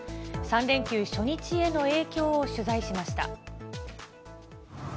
３連休初日への影響を取材しました。